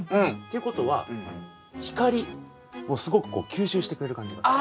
ということは光をすごくこう吸収してくれる感じがする。